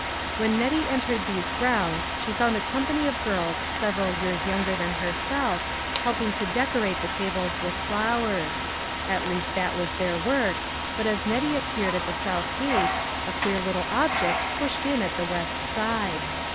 When Nettie entered these grounds she found a company of girls several years younger than herself, helping to decorate the tables with flowers ; at least that was their work, but as Nettie appeared at the south gate, a queer little object pushed in at the west side.